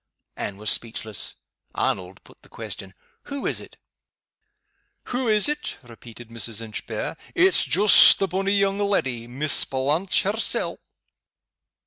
Anne was speechless. Arnold put the question: "Who is it?" "Wha is't?" repeated Mrs. Inchbare. "It's joost the bonny young leddy Miss Blanche hersel'."